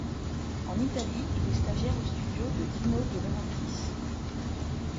En Italie, il est stagiaire aux studios de Dino De Laurentiis.